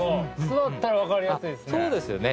そうですよね。